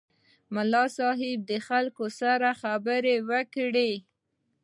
ملا صیب د خلکو سره خبرې وکړې.